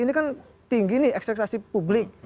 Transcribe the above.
ini kan tinggi nih ekspektasi publik